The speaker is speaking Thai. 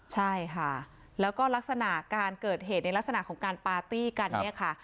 ใช่ค่ะแล้วก็ลักษณะการเกิดเหตุในลักษณะของการปาร์ตี้กันเนี่ยค่ะ